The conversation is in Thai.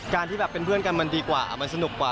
ที่แบบเป็นเพื่อนกันมันดีกว่ามันสนุกกว่า